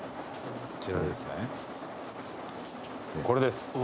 これです。